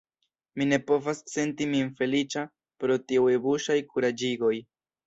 Mi ne povas senti min feliĉa pro tiuj buŝaj kuraĝigoj.